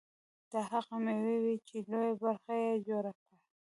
دا هغه مېوې وې چې لویه برخه یې جوړه کړه.